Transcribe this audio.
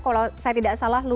kalau saya tidak salah